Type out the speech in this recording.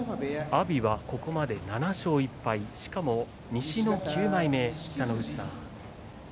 阿炎はここまで７勝１敗しかも西の９枚目。